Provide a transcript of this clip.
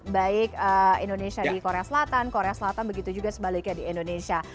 baik indonesia di korea selatan korea selatan begitu juga sebaliknya di indonesia